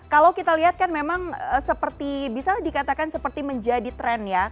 kalau kita lihat kan memang seperti bisa dikatakan seperti menjadi tren ya